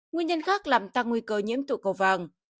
nguyên nhân khác làm tăng nguy cơ nhiễm tụ cầu vàng